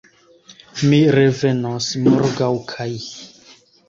Mi revenos morgaŭ kaj